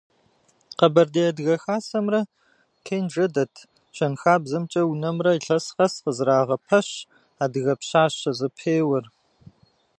Къэбэрдей адыгэ хасэмрэ Кенжэ дэт щэнхабзэмкӏэ унэмрэ илъэс къэс къызэрагъэпэщ «Адыгэ пщащэ» зэпеуэр.